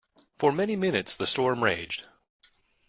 For many minutes the storm raged.